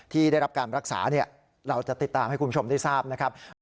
ที่ได้รับการรักษาเราจะติดตามให้คุณผู้ชมได้ทราบนะครับ